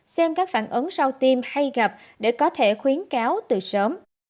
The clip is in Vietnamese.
xem các phản ứng sau tim hay gặp để có thể khuyến cáo từ sớm